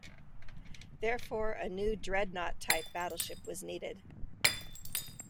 Therefore, a new dreadnought-type battleship was needed.